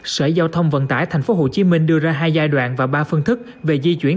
sở giao thông vận tải thành phố hồ chí minh đưa ra hai giai đoạn và ba phương thức về di chuyển